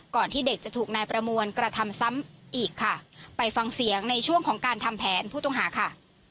ที่เด็กจะถูกนายประมวลกระทำซ้ำอีกค่ะไปฟังเสียงในช่วงของการทำแผนผู้ต้องหาค่ะ